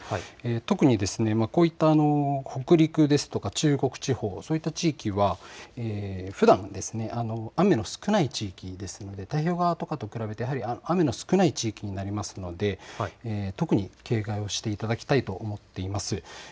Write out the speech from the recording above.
特にこういった北陸ですとか中国地方、そういった地域はふだん雨の少ない地域ですので太平洋側と比べて雨の少ない地域になりますので特に警戒をしていただきたいと思っています。